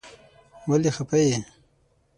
ولی خپه یی ؟